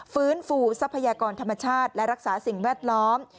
ฟื้นฟูทรัพยากรธรรมชาติและรักษาสิ่งแวดล้อม